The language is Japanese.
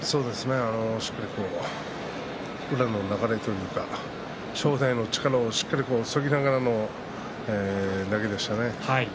しっかりと宇良の流れというか正代の力をしっかり、そぎながらの投げでしたね。